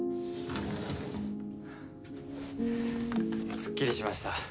すっきりしました。